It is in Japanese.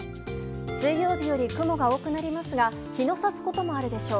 水曜日より雲が多くなりますが日の差すこともあるでしょう。